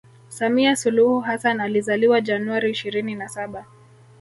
Samia suluhu Hassan alizaliwa January ishirini na saba